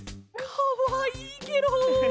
かわいいケロ！